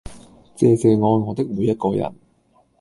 謝謝愛我的每一個人